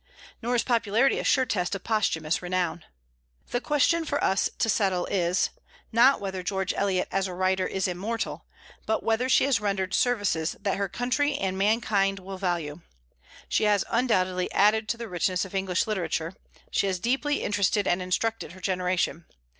Nor is popularity a sure test of posthumous renown. The question for us to settle is, not whether George Eliot as a writer is immortal, but whether she has rendered services that her country and mankind will value. She has undoubtedly added to the richness of English literature. She has deeply interested and instructed her generation.